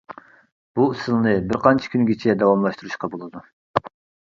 بۇ ئۇسۇلنى بىر قانچە كۈنگىچە داۋاملاشتۇرۇشقا بولىدۇ.